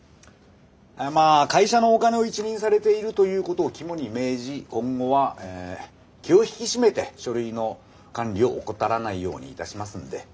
まあ会社のお金を一任されているということを肝に銘じ今後はえ気を引き締めて書類の管理を怠らないようにいたしますんでねっ？